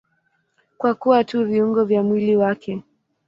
Kwa kuwa tu viungo vya mwili wake.